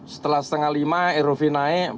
setelah setengah lima erov naik